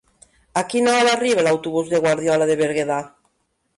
A quina hora arriba l'autobús de Guardiola de Berguedà?